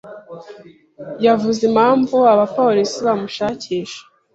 yavuze impamvu abapolisi bamushakisha?